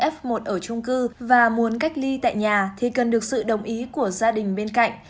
f một ở trung cư và muốn cách ly tại nhà thì cần được sự đồng ý của gia đình bên cạnh